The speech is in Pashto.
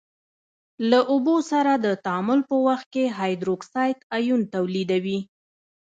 له اوبو سره د تعامل په وخت کې هایدروکساید آیون تولیدوي.